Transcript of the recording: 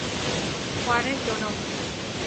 Juárez lloró.